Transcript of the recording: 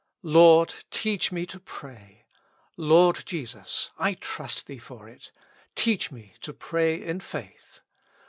Lord ! teach me to pray. Lord Jesus ! I trust Thee for it ; teach me to pray in faith.